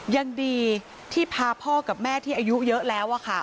ยังดีที่พาพ่อกับแม่ที่อายุเยอะแล้ว